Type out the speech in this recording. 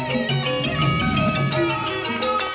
โอเคครับ